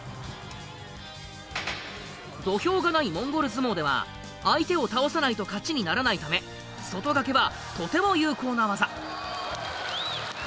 土俵がないモンゴル相撲では相手を倒さないと勝ちにならないため外掛けはとても有効な技。